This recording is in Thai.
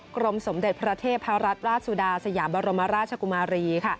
กรมสมเด็จพระเทพรัตนราชสุดาสยามบรมราชกุมารี